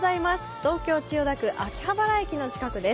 東京・千代田区秋葉原駅の近くです。